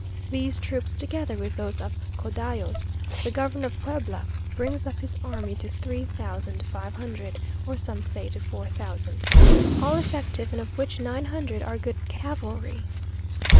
These troops, together with those of Codallos (the Governor of Puebla) brings up his army to three thousand five hundred, or some say to four thousand men, all effective, and of which nine hundred are good cavalry.